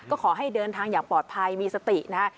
ก็ขอให้เดินทางอย่างปลอดภัยมีสตินะฮะ